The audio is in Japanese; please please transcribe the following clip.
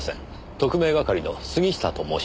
特命係の杉下と申します。